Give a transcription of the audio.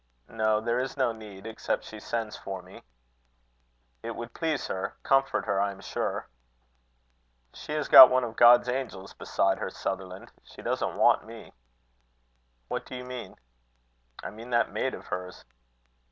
"No; there is no need, except she sends for me." "It would please her comfort her, I am sure." "She has got one of God's angels beside her, Sutherland. She doesn't want me." "What do you mean?" "I mean that maid of hers."